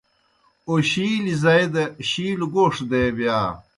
اَوشِیلیْ زائی دہ شِیلوْ گوݜ دے بِیا۔